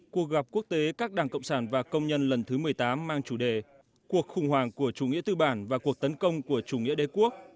cuộc gặp quốc tế các đảng cộng sản và công nhân lần thứ một mươi tám mang chủ đề cuộc khủng hoảng của chủ nghĩa tư bản và cuộc tấn công của chủ nghĩa đế quốc